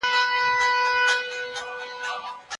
دا موټر کورنیو ته مناسب و.